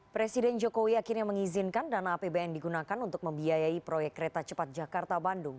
presiden jokowi akhirnya mengizinkan dana apbn digunakan untuk membiayai proyek kereta cepat jakarta bandung